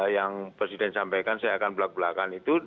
yang presiden sampaikan saya akan belak belakan itu